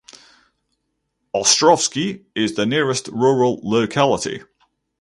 Ostrovsky is the nearest rural locality.